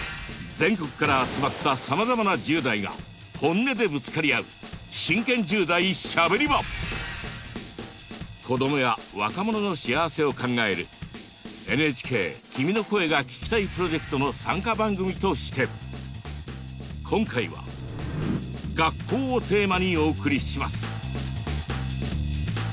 全国から集まったさまざまな１０代が本音でぶつかり合う子供や若者の幸せを考えるＮＨＫ君の声が聴きたいプロジェクトの参加番組として今回は「学校」をテーマにお送りします。